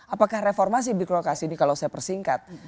apakah reformasi birokrasi ini kalau saya persingkat